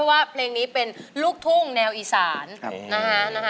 เพราะว่าเพลงนี้เป็นลูกทุ่งแนวอีสาน